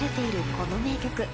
この名曲。